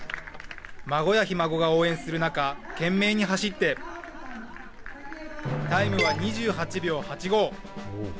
孫やひ孫が応援する中懸命に走ってタイムは２８秒８５。